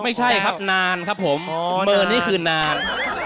ไม่ใช่ครับนานครับผมเนินนี่คือนาน